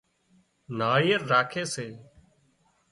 ناۯيل راکي سي